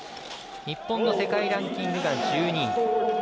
日本の世界ランキングが１２位。